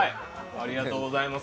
ありがとうございます。